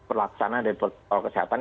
tiga m perlaksanaan protokol kesehatan